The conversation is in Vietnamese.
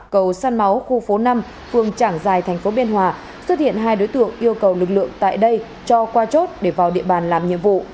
cầu săn máu khu phố năm phường trảng giài thành phố biên hòa xuất hiện hai đối tượng yêu cầu lực lượng tại đây cho qua chốt để vào địa bàn làm nhiệm vụ